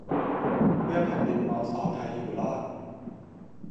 เพื่อแผ่นดินมอซอไทยอยู่รอด